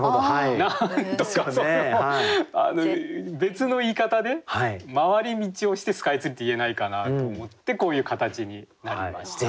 なんとかそれを別の言い方で回り道をして「スカイツリー」って言えないかなと思ってこういう形になりました。